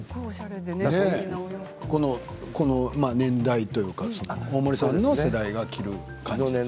この年代というか大森さんの世代が着る感じですかね。